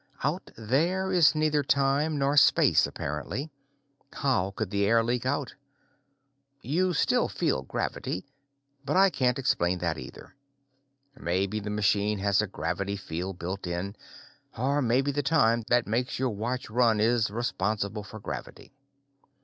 Out there is neither time nor space, apparently. How could the air leak out? You still feel gravity, but I can't explain that, either. Maybe the machine has a gravity field built in, or maybe the time that makes your watch run is responsible for gravity.